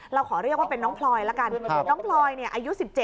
เราขอเรียกว่าเป็นน้องพลอยละกันน้องพลอยอายุ๑๗